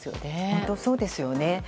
本当そうですよね。